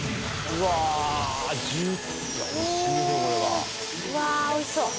うわっおいしそう。